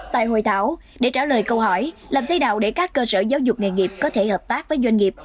tại hội thảo để trả lời câu hỏi làm thế nào để các cơ sở giáo dục nghề nghiệp có thể hợp tác với doanh nghiệp